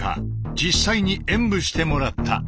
実際に演武してもらった。